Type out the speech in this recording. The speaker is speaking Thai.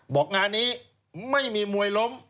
งานนี้ไม่มีมวยล้ม